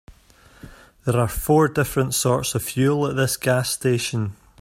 There are four different sorts of fuel at this gas station.